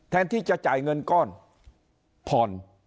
แทนที่จะจ่ายเงินก้อนผ่อน